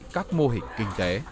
các mô hình kinh tế